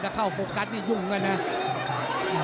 ถ้าเข้าโฟกัสมันจะยุ่งกันนะ